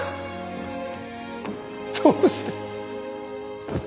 どうして？